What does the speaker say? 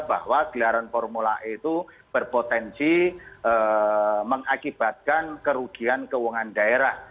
bahwa gelaran formula e itu berpotensi mengakibatkan kerugian keuangan daerah